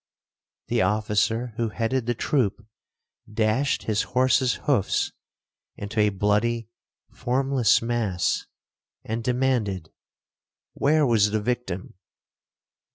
The officer who headed the troop dashed his horse's hoofs into a bloody formless mass, and demanded, 'Where was the victim?'